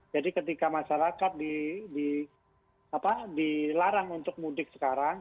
jadi ketika masyarakat dilarang untuk mudik sekarang